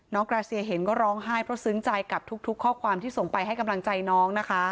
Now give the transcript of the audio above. กราเซียเห็นก็ร้องไห้เพราะซึ้งใจกับทุกข้อความที่ส่งไปให้กำลังใจน้องนะคะ